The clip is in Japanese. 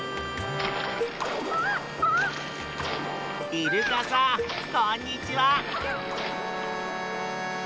イルカさんこんにちは。